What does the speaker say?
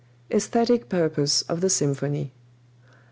Esthetic Purpose of the Symphony.